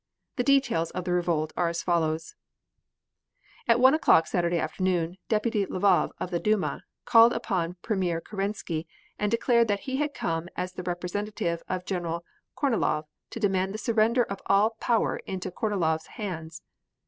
The details of the revolt are as follows: At one o'clock Saturday afternoon, Deputy Lvov, of the Duma, called upon Premier Kerensky, and declared that he had come as the representative of General Kornilov to demand the surrender of all power into Kornilov's hands.